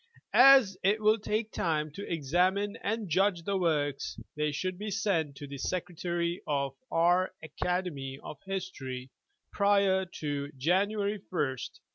As it will take time to examine and judge the works, they should be sent to the Secretary of the R, Acad, of Hist, prior to January 1, 1892.